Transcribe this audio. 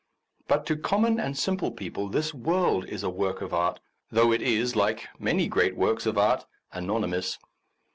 But to common and simple peo ple this world is a work of art, though it is, like many great works of art, anony mous.